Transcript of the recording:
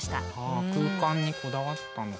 あ空間にこだわったのか。